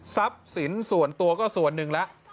สินส่วนตัวก็ส่วนหนึ่งแล้ว